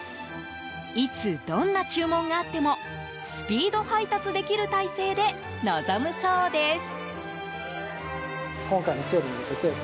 いつ、どんな注文があってもスピード配達できる態勢で臨むそうです。